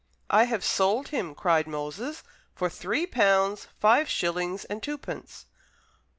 "I have sold him," cried Moses, "for three pounds, five shillings, and twopence."